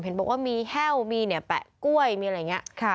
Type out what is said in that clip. เห็นบอกว่ามีแห้วมีเนี่ยแปะกล้วยมีอะไรอย่างนี้